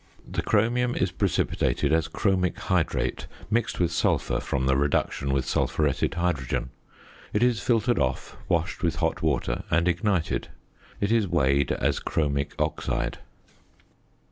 The chromium is precipitated as chromic hydrate mixed with sulphur from the reduction with sulphuretted hydrogen. It is filtered off, washed with hot water, and ignited. It is weighed as chromic oxide.